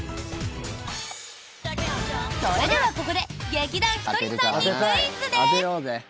それではここで劇団ひとりさんにクイズです。